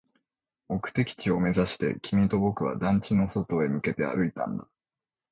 目的地を目指して、君と僕は団地の外へ向けて歩いたんだ